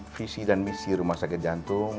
visi dan misi rumah sakit jantung